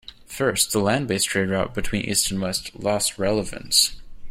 First, the land based trade route between east and west lost relevance.